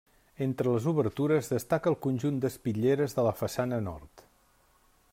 Entre les obertures destaca el conjunt d'espitlleres de la façana nord.